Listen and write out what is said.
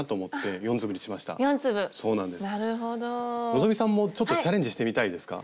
希さんもちょっとチャレンジしてみたいですか？